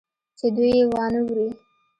چې دوى يې وانه وري.